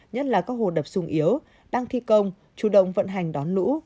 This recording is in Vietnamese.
nhất là các hồ đập sung yếu đang thi công chủ động vận hành đón lũ